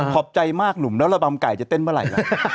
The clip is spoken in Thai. ขอบใจมากหนุ่มแล้วระบำไก่จะเต้นเมื่อไหร่